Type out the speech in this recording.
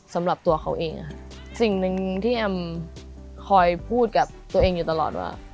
สิ่งที่แอมคอยพูดกับตัวเองอยู่ตลอดว่า